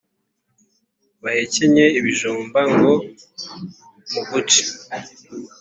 bahekenye ibijumba ngo muguci